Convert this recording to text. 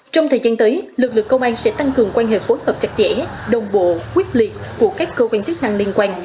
trong thời gian tới lực lượng công an sẽ tăng cường quan hệ phối hợp chặt chẽ đồng bộ quyết liệt của các cơ quan chức năng liên quan